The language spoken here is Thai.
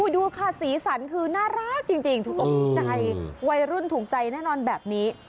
ดูค่ะสีสันคือน่ารักจริงถูกอกถูกใจวัยรุ่นถูกใจแน่นอนแบบนี้